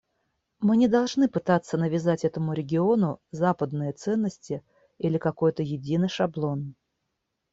Мы не должны пытаться навязать этому региону западные ценности или какой-то единый шаблон.